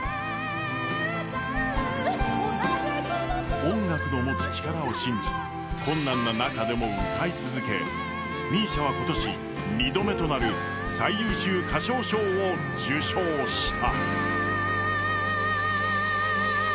音楽の持つ力を信じ、困難な中でも歌い続けＭＩＳＩＡは今年２度目となる最優秀歌唱賞を受賞した。